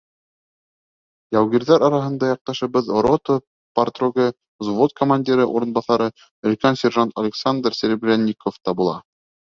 Яугирҙәр араһында яҡташыбыҙ, рота парторгы, взвод командиры урынбаҫары, өлкән сержант Александр Серебрянников та була.